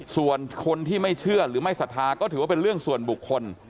ส่วนคนที่ไม่เชื่อหรือไม่ศรัทธาก็ถือว่าเป็นเรื่องส่วนบุคคล